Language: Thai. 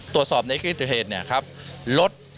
ตรวจสอบในที่เกิดเหตุเนี่ยครับรถ